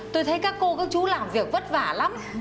tôi thấy các cô các chú làm việc vất vả lắm